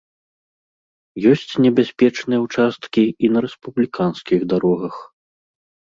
Ёсць небяспечныя ўчасткі і на рэспубліканскіх дарогах.